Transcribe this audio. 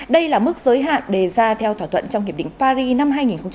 đây là mức giới hạn đề ra theo thỏa thuận trong hiệp định paris năm hai nghìn hai mươi